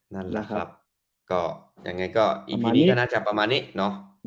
นั่นแหละครับก็ยังไงก็อีพีนี้ก็น่าจะประมาณนี้เนาะ